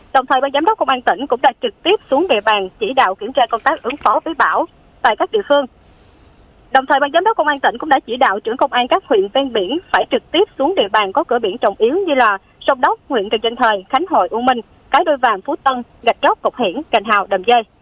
đồng thời ban giám đốc công an tỉnh cũng đã chỉ đạo trưởng công an các huyện ven biển phải trực tiếp xuống địa bàn có cửa biển trồng yếu như là sông đốc nguyện trần dân thời khánh hội u minh cái đôi vàng phú tân gạch góc cục hiển cành hào đầm dê